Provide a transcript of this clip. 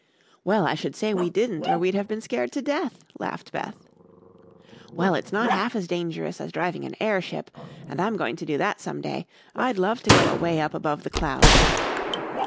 "Well, I should say we didn't, or we'd have been scared to death," laughed Beth. "Well, it's not half as dangerous as driving an airship, and I'm going to do that some day. I'd love to go away up above the clouds."